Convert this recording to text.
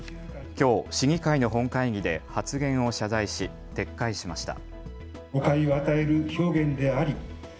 きょう市議会の本会議で発言を謝罪し撤回しました。